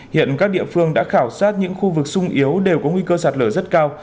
hiện các địa phương đã khảo sát những khu vực sung yếu đều có nguy cơ sạt lở rất cao